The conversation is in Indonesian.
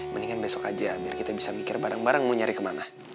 mendingan besok aja biar kita bisa mikir bareng bareng mau nyari kemana